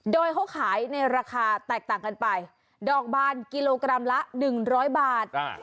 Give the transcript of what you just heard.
โดยเขาขายในราคาแตกต่างกันไปดอกบานกิโลกรัมละ๑๐๐บาท